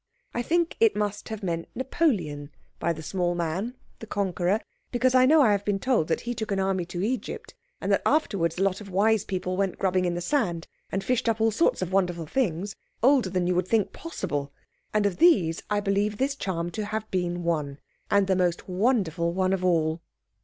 I think it must have meant Napoleon by the small man, the conqueror. Because I know I have been told that he took an army to Egypt, and that afterwards a lot of wise people went grubbing in the sand, and fished up all sorts of wonderful things, older than you would think possible. And of these I believe this charm to have been one, and the most wonderful one of all.